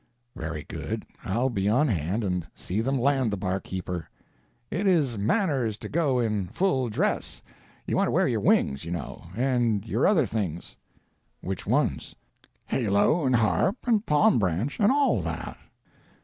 "Very good. I'll be on hand and see them land the barkeeper." "It is manners to go in full dress. You want to wear your wings, you know, and your other things." "Which ones?" "Halo, and harp, and palm branch, and all that."